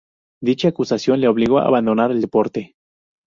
Dicha acusación le obligó a abandonar el deporte.